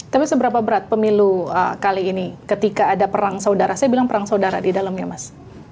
tapi seberapa berat pemilu kali ini ketika ada perang saudara saya bilang perang saudara di dalamnya mas